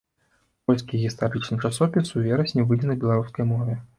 Польскі гістарычны часопіс у верасні выйдзе на беларускай мове.